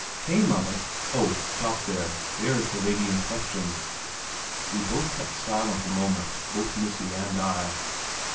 "Came of it? Oh, stop there; there is the lady in question." We both kept silent a moment, both "Missy" and I.